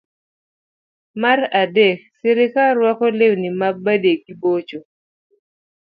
mar adek srikal rwakoga lewni na badegi bocho.